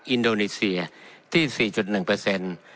อินโดนีเซียที่๔๑เปอร์เซ็นต์